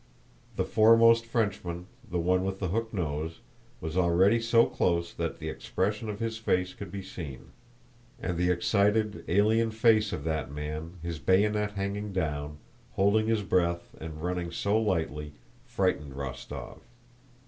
The foremost Frenchman, the one with the hooked nose, was already so close that the expression of his face could be seen. And the excited, alien face of that man, his bayonet hanging down, holding his breath, and running so lightly, frightened Rostóv.